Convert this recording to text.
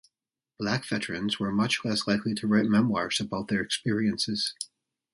Black veterans were much less likely to write memoirs about their experiences.